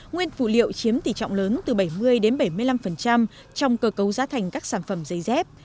nguyên phụ liệu chiếm tỷ trọng lớn từ bảy mươi đến bảy mươi năm trong cơ cấu giá thành các sản phẩm dây dép